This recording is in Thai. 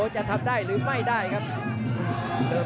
จะทำได้หรือไม่ได้